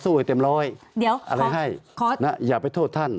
สู้ให้เต็มร้อยอะไรให้อย่าไปโทษท่าน